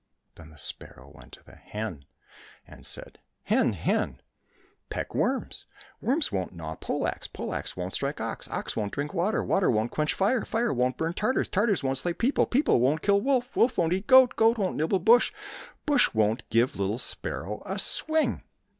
— Then the sparrow went to the hen and said, " Hen, hen, peck worms, worms won't gnaw pole axe, pole axe won't strike ox, ox won't drink water, water won't quench fire, fire won't burn Tartars, Tartars won't slay people, people won't kill wolf, wolf won't eat goat, goat won't nibble bush, bush won't give little sparrow a swing."